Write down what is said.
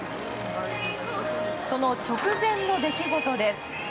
その直前の出来事です。